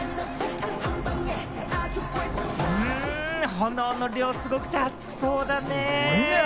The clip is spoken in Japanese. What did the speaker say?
炎の量、すごくて熱そうだね。